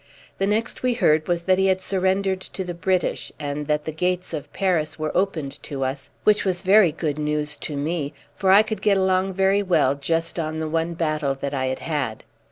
The next we heard was that he had surrendered to the British, and that the gates of Paris were opened to us, which was very good news to me, for I could get along very well just on the one battle that I had had.